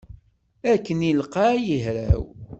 Akken lqay i hraw.